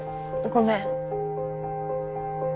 ごめん。